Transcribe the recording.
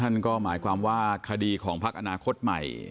นั่นก็หมายความว่าคดีของพักอนาคตใหม่